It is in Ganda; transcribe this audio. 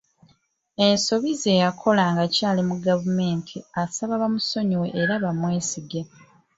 Ensobi ze yakola ng'akyali mu gavumenti, asaba bamusonyiwe era bamwesige.